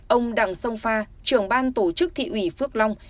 ông đặng sông pha trưởng ban tổ chức thị ủy phước long